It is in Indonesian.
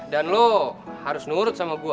dan lo harus nurut sama gue